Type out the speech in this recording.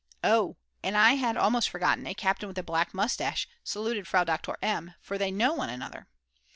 Oh, and I had almost forgotten, a captain with a black moustache saluted Frau Doktor M., for they know one another.